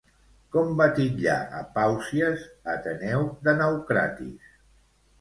Com va titllar a Pàusies, Ateneu de Naucratis?